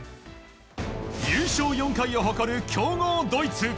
優勝４回を誇る強豪ドイツ。